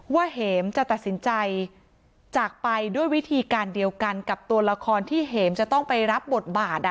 เห็มจะตัดสินใจจากไปด้วยวิธีการเดียวกันกับตัวละครที่เหมจะต้องไปรับบทบาท